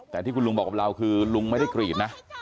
แต่ที่คุณลุงบอกกับเราคือลุงไม่ได้กรีดนะ